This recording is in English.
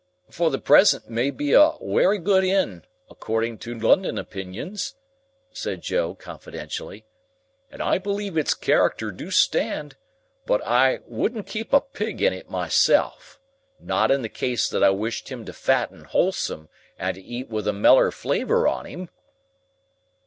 For the present may be a werry good inn, according to London opinions," said Joe, confidentially, "and I believe its character do stand it; but I wouldn't keep a pig in it myself,—not in the case that I wished him to fatten wholesome and to eat with a meller flavour on him."